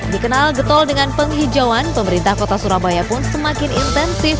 dikenal getol dengan penghijauan pemerintah kota surabaya pun semakin intensif